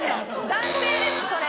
男性です、それ。